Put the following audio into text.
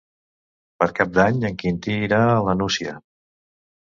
Per Cap d'Any en Quintí irà a la Nucia.